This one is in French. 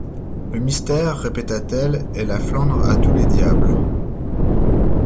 Le mystère, répéta-t-elle, et la Flandre à tous les diables!